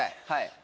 はい。